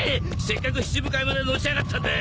せっかく七武海までのし上がったんだ！